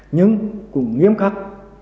nhưng cũng nghiêm khắc